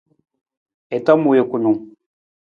I tom wiim kunung.